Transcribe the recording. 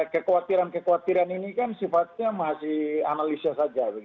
kekhawatiran kekhawatiran ini kan sifatnya masih analisa saja